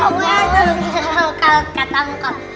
kalau katamu kok